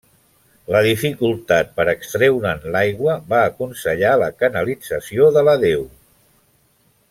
La dificultat per extreure'n l'aigua va aconsellar la canalització de la deu.